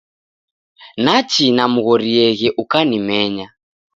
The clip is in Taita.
Nachi namghorieghe ukanimenya.